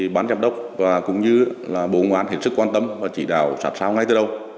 bán giám đốc và cũng như bộ công an hiển sức quan tâm và chỉ đào sát sao ngay từ đâu